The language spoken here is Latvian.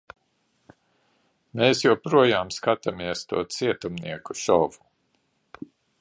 Mēs joprojām skatāmies to cietumnieku šovu.